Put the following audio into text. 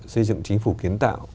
xây dựng chính phủ kiến tạo